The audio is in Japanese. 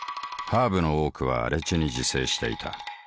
ハーブの多くは荒地に自生していた。